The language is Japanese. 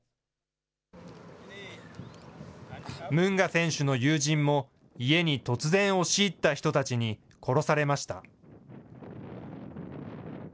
ムンガ選手の友人も、家に突然押し入った人たちに殺されました。